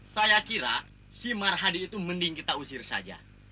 saya kira si marhadi itu mending kita usir saja